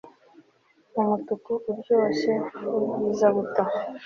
mumutuku uryoshye wubwiza buto